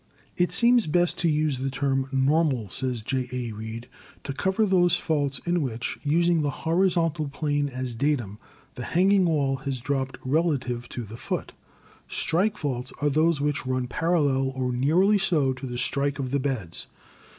"It seems best to use the term normal," says J. A. Reid, "to cover those faults in which, using the hori zontal plane as datum, the hanging wall has dropped rela tive to the foot." Strike faults are those which run paral lel or nearly so to the strike of the beds.